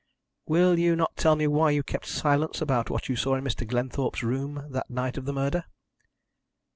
"Will you not tell me why you kept silence about what you saw in Mr. Glenthorpe's room that night of the murder?"